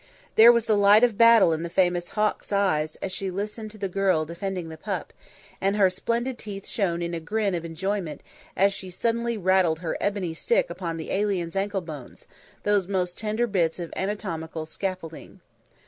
There was the light of battle in the famous hawk's eyes as she listened to the girl defending the pup, and her splendid teeth shone in a grin of enjoyment as she suddenly rattled her ebony stick upon the alien's ankle bones, those most tender bits of anatomical scaffolding.